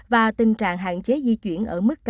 và tình trạng hạn chế di chuyển